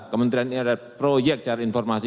kementerian ini ada proyek cari informasi